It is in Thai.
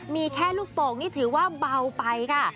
มีแค่ลูกโป่งนี่ถือว่าเบาไปค่ะ